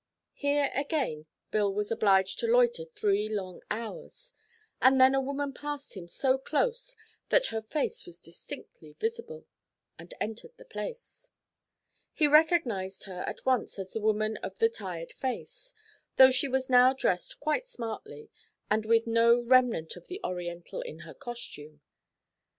Here, again, Bill was obliged to loiter three long hours, and then a woman passed him so close that her face was distinctly visible, and entered the place. He recognised her at once as the woman of the 'tired' face, though she was now dressed quite smartly and with no remnant of the Oriental in her costume.